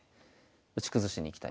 打ち崩しにいきたい。